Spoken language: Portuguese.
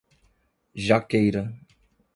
Jaqueira